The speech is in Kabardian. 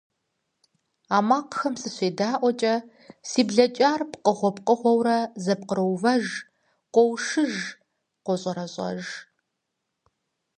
А макъамэм сыщедаӏуэкӏэ, си блэкӏар пкъыгъуэ пкъыгъуэурэ зэпкъыроувэж, къоушыж, къощӏэрэщӏэж.